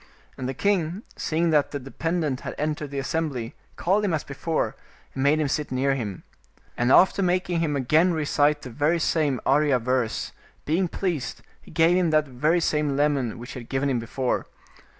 And the king, seeing that the dependent had entered the assem bly, called him as before, and made him sit near him. And after making him again recite that very same Arya verse, being pleased, he gave him that very same lemon which he had given him before.